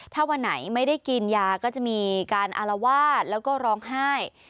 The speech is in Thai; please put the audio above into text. ถ้าวันไหนไม่ได้กินยาก็จะมีการอารวาสแล้วก็ร้องไห้